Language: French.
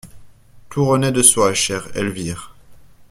Tout renaît de soi, chère Elvire.